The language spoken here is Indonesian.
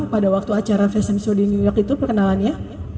pada waktu acara fashion show di new york itu perkenalannya